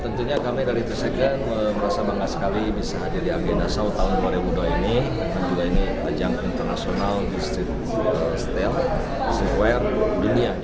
tiga second merasa bangga sekali bisa hadir di agenda show tahun dua ribu dua puluh dua ini dan juga ini ajang internasional di streetwear dunia